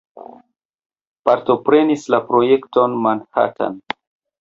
Partoprenis la projekton Manhattan.